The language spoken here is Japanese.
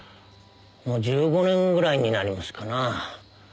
もう１５年ぐらいになりますかな。